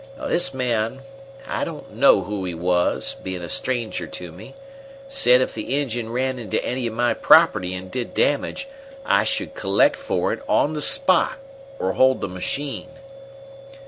This man I don't know who he was, being a stranger to me said if the engine ran into any of my property and did damages I should collect for it on the spot, or hold the machine.